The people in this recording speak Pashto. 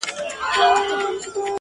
نه پو هیږمه چې څه وي ځنې خلق